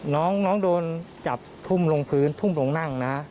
น้องโดนจับทุ่มลงพื้นทุ่มลงนั่งนะ